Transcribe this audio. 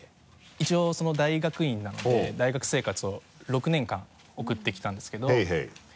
一応大学院なので大学生活を６年間送ってきたんですけど。